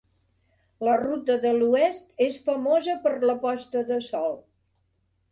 La ruta de l'oest és famosa per la posta de sol.